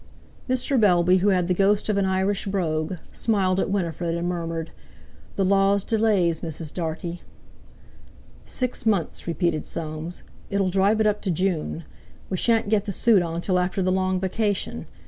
Mr. Bellby, who had the ghost of an Irish brogue, smiled at Winifred and murmured: "The Law's delays, Mrs. Dartie." "Six months!" repeated Soames; "it'll drive it up to June! We shan't get the suit on till after the long vacation.